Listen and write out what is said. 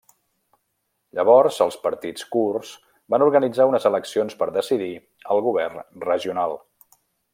Llavors els partits kurds van organitzar unes eleccions per decidir el govern regional.